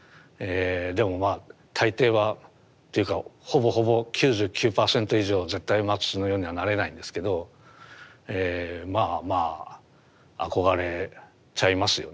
でもまあ大抵はというかほぼほぼ９９％以上絶対マティスのようにはなれないんですけどまあまあ憧れちゃいますよね。